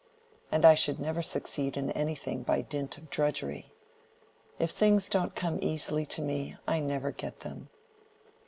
And I should never succeed in anything by dint of drudgery. If things don't come easily to me I never get them."